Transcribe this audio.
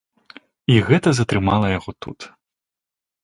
І гэта затрымала яго тут.